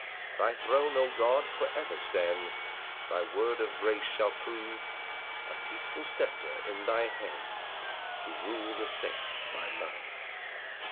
4 Thy throne, O God, for ever stands; Thy word of grace shall prove A peaceful sceptre in thy hands, To rule the saints by love.